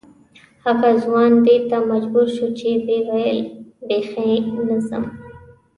هغه ځوان دې ته مجبور شو چې ویې ویل بې خي نه ځم.